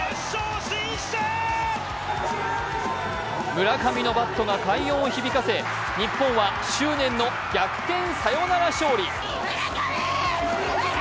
村上のバットが快音を響かせ日本は執念の逆転サヨナラ勝利。